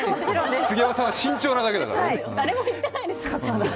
杉山さんは慎重なだけだからね。